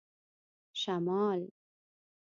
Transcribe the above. شمال